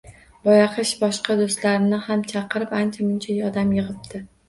Boyaqish boshqa do‘stlarini ham chaqirib, ancha-muncha odam yig‘ibdi